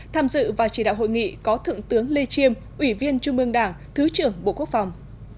tham dự và chỉ đạo hội nghị có thượng tướng lê chiêm ủy viên trung ương đảng thứ trưởng bộ quốc phòng